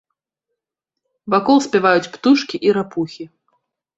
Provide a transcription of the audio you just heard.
Вакол спяваюць птушкі і рапухі.